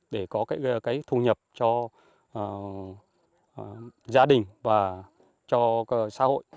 để có cái thu nhập cho gia đình và cho xã hội